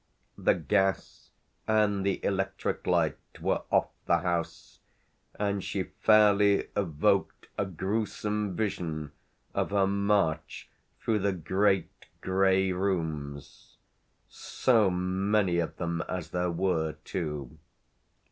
The gas and the electric light were off the house, and she fairly evoked a gruesome vision of her march through the great grey rooms so many of them as there were too!